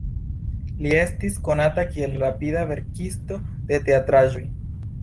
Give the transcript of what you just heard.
Li estis konata kiel rapida verkisto de teatraĵoj.